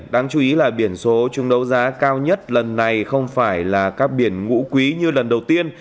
đáng chú ý là biển số chúng đấu giá cao nhất lần này không phải là các biển ngũ quý như lần đầu tiên